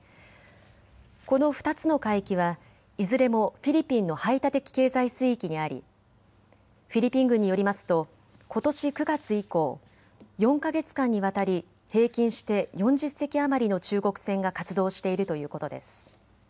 この２つの海域はいずれもフィリピンの排他的経済水域にありフィリピン軍によりますとことし９月以降、４か月間にわたり平均して４０隻余りの中国船が活動しているということです。